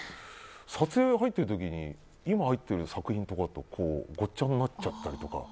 撮影入ってる時に今、入っている作品とごっちゃになったりとか。